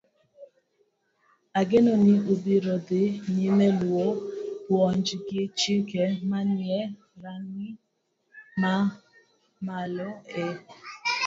Ageno ni ubiro dhi nyime luwo puonj gi chike manie rang'iny mamalo e